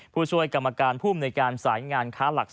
ผู้ช่วยกรรมการผู้บนในการสายงาน